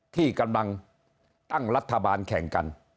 ที่กำลังตั้งรัฐบาลแข่งกัน